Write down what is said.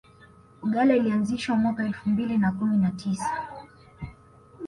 uggala ilianzishwa mwaka elfu mbili na kumi na tisa